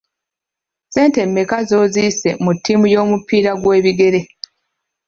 Ssente mmeka z'osize mu ttiimu y'omupiira gw'ebigere ?